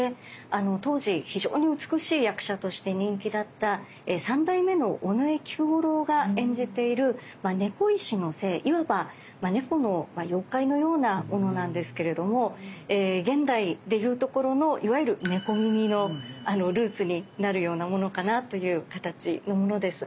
当時非常に美しい役者として人気だった３代目の尾上菊五郎が演じている猫石の精いわば猫の妖怪のようなものなんですけれども現代でいうところのいわゆる猫耳のルーツになるようなものかなという形のものです。